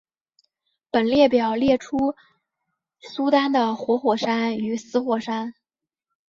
本列表列出苏丹的活火山与死火山。